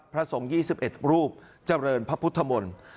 พระสงฆ์๒๑รูปเจริญพระพุทธมนตร์